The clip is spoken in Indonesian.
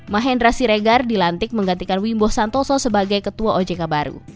mahendra siregar dilantik menggantikan wimbo santoso sebagai ketua ojk baru